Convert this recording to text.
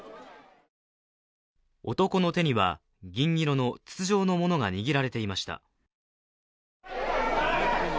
男の手には銀色の筒状のものが握られていました。